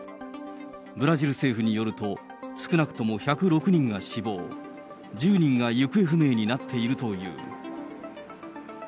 ブラジル政府によると、少なくとも１０６人が死亡、１０人が行方不明になっているという。